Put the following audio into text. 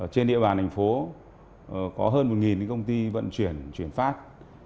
trên địa bàn thành phố có hơn một công ty vận chuyển chuyển phát